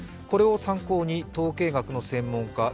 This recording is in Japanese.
これを参考に、統計学の専門家